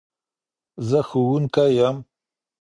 زه ښوونکي يم